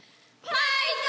「ファイト！